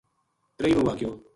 ترییوں واقعو